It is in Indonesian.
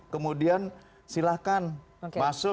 kemudian silahkan masuk